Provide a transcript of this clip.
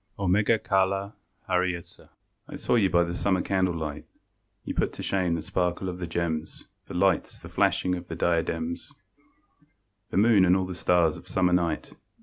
Ω Κάλα, ὧ χαρίεσσα I saw you by the Summer candlelight: You put to shame the sparkle of the gems, The lights, the flashing of the diadems, The moon and all the stars of Summer night.